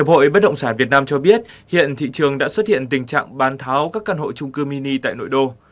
hiệp hội bất động sản việt nam cho biết hiện thị trường đã xuất hiện tình trạng bán tháo các căn hộ trung cư mini tại nội đô